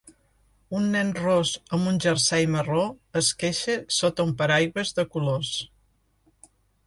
Un nen ros amb un jersei marró es queixa sota un paraigües de colors.